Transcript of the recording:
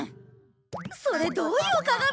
それどういう鏡？